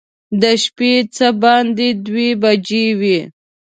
د شپې څه باندې دوه بجې وې.